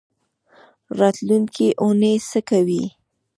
راتلونکۍ اونۍ څه کوئ؟